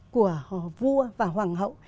của vua và hoàng hậu